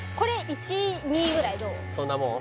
そんなもん？